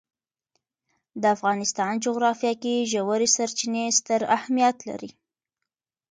د افغانستان جغرافیه کې ژورې سرچینې ستر اهمیت لري.